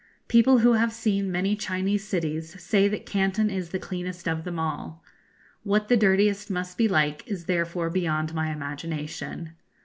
People who have seen many Chinese cities say that Canton is the cleanest of them all. What the dirtiest must be like is therefore beyond my imagination.